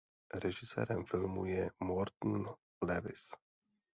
Režisérem filmu je Morton Lewis.